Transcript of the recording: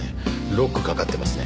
ロックかかってますね。